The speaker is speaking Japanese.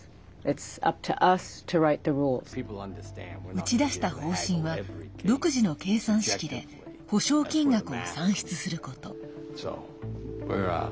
打ち出した方針は独自の計算式で補償金額を算出すること。